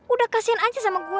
udah kasihan aja sama gue